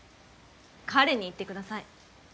彼に言って下さい。